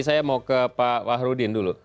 saya mau ke pak wahrudin dulu